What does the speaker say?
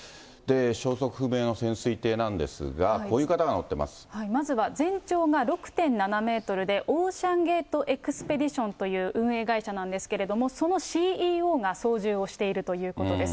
消息不明の潜水艇なんですが、こまずは全長が６．７メートルで、オーシャンゲート・エクスペディションという運営会社なんですけれども、そのＣＥＯが操縦をしているということです。